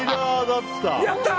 やったー！